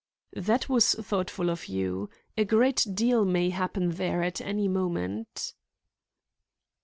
"That was thoughtful of you. A great deal may happen there at any moment."